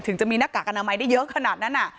ถึงจะมีหน้ากากอนามัยได้เยอะขนาดนั้น